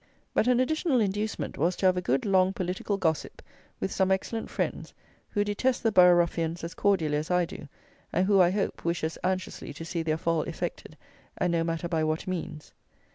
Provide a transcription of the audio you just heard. But an additional inducement was to have a good long political gossip with some excellent friends, who detest the borough ruffians as cordially as I do, and who, I hope, wish as anxiously to see their fall effected, and no matter by what means.